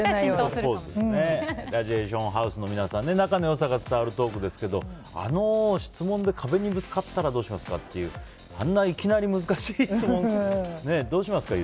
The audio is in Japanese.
「ラジエーションハウス」の皆さん仲の良さが伝わるトークですけどあの質問で、壁にぶつかったらどうしますかってあんないきなり難しい質問どうしますか？